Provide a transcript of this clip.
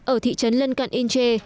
ở thị trấn lân cận inche